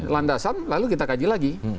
landasan lalu kita kaji lagi